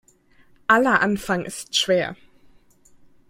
Aller Anfang ist schwer.